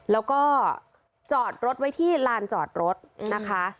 แล้วก็จอดรถไว้ที่ลานจอดรถนะคะ